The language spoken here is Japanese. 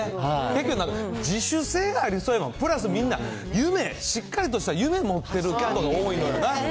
結局、自主性がありそうな、プラス、みんな夢、しっかりとした夢持ってる方多いのよな。